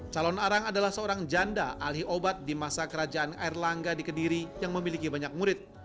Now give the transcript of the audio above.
calon arang adalah seorang janda alih obat di masa kerajaan air langga di kediri yang memiliki banyak murid